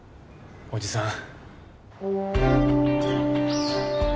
おじさん。